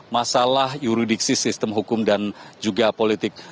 masalah yuridiksi sistem hukum dan juga politik